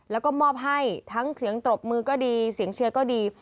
แล้วก็มอบให้ทั้งเสียงตรบมือก็ดีเสียงเชียร์ก็ดี